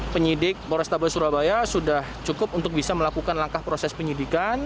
penyidik polrestabes surabaya sudah cukup untuk bisa melakukan langkah proses penyidikan